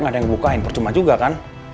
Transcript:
nggak ada yang bukain percuma juga kan